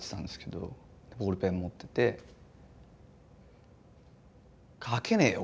ボールペン持ってて書けねえよ